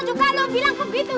cukup langsung bilang kebantu ya